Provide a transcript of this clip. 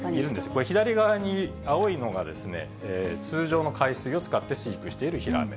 これ、左側に青いのが通常の海水を使って飼育しているヒラメ。